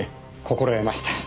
心得ました。